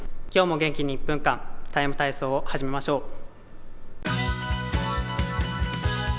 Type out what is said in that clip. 今日も元気に１分間「ＴＩＭＥ，体操」を始めましょう。